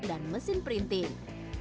dan mesin printing